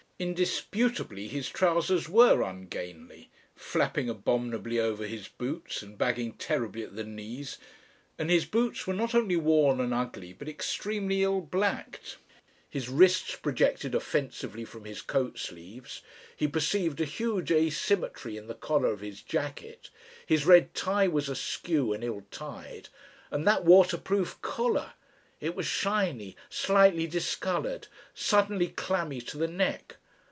Indisputably his trousers were ungainly, flapping abominably over his boots and bagging terribly at the knees, and his boots were not only worn and ugly but extremely ill blacked. His wrists projected offensively from his coat sleeves, he perceived a huge asymmetry in the collar of his jacket, his red tie was askew and ill tied, and that waterproof collar! It was shiny, slightly discoloured, suddenly clammy to the neck.